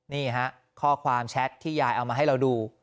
นี่ฮะข้อความแชทที่ยายเอามาให้เราดู